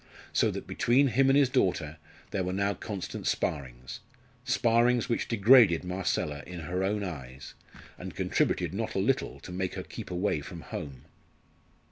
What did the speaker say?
So that between him and his daughter there were now constant sparrings sparrings which degraded Marcella in her own eyes, and contributed not a little to make her keep away from home.